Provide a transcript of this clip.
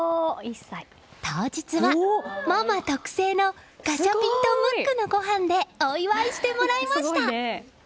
当日は、ママ特製のガチャピンとムックのごはんでお祝いしてもらいました！